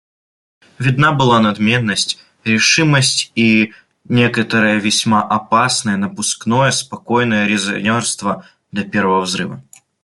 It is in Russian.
Видна была надменность, решимость и некоторое весьма опасное напускное спокойное резонерство до первого взрыва.